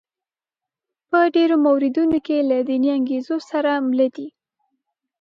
په ډېرو موردونو کې له دیني انګېزو سره مله دي.